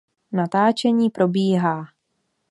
Natáčení probíhá.